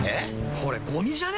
これゴミじゃね？